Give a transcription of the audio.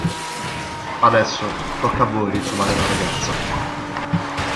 Adesso, tocca a voi ritrovare la ragazza.